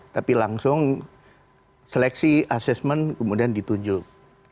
tapi langsung seleksi asesmen kemudian ditunjuk